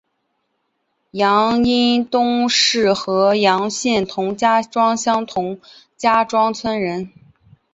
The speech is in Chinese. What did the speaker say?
杨荫东是合阳县同家庄乡同家庄村人。